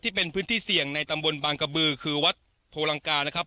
ที่เป็นพื้นที่เสี่ยงในตำบลบางกระบือคือวัดโพลังกานะครับ